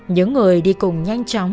những người đi cùng nhanh chóng